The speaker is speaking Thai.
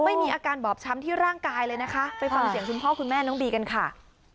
ไม่มีอาการบอบช้ำที่ร่างกายเลยนะคะไปฟังเสียงคุณพ่อคุณแม่น้องบีกันค่ะ